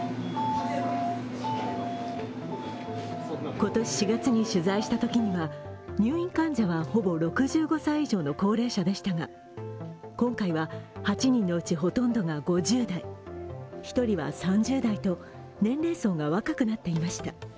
今年４月に取材したときには入院患者は、ほぼ６５歳以上の高齢者でしたが今回は８人のうちほとんどが５０代、１人は３０代と年齢層が若くなっていました。